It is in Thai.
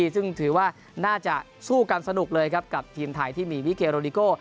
ซึ่งถือว่าน่าจะสู้กันสนุกเลยครับกับทีมไทยที่มีวิเกโรดิโก้